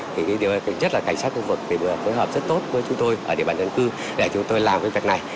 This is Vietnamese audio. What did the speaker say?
thì điều này thực chất là cảnh sát khu vực phù hợp rất tốt với chúng tôi ở địa bàn dân cư để chúng tôi làm việc này